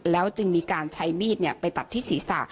แล้วจึงมีการใช้มีดไปตัดที่ศีรษะ